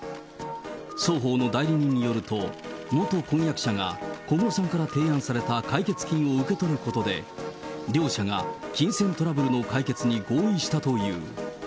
双方の代理人によると、元婚約者が、小室さんから提案された解決金を受け取ることで、両者が金銭トラブルの解決に合意したという。